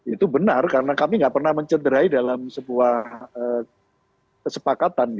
itu benar karena kami tidak pernah mencederai dalam sebuah kesepakatan